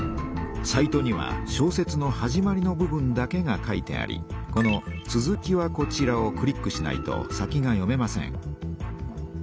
サイトには小説の始まりの部分だけが書いてありこの「続きはこちら」をクリックしないと先が読めません。